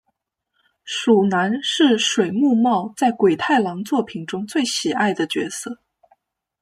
鼠男是水木茂在鬼太郎作品中最喜爱的角色。